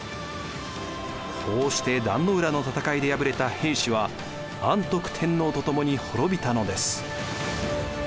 こうして壇の浦の戦いで敗れた平氏は安徳天皇とともにほろびたのです。